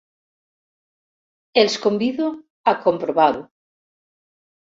Els convido a comprovar-ho.